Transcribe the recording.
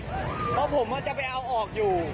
ก็ผมเลยไม่อยากมาทำแบบนี้